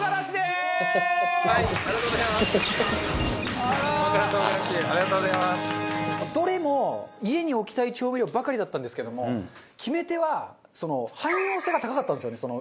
中丸：どれも家に置きたい調味料ばかりだったんですけども決め手は汎用性が高かったんですよね。